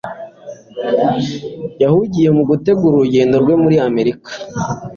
yahugiye mu gutegura urugendo rwe muri amerika